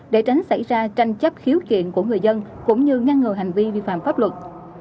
để tránh xảy ra tranh chấp khiếu kiện của người dân cũng như ngăn ngừa hành vi vi phạm pháp luật